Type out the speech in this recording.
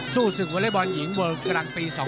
สู้สึกวอเลเบอร์ลหญิงเวิลด์กรังปี๒๐๑๗